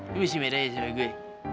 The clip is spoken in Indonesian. lu masih meraya sama gue